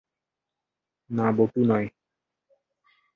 না বটু নয়।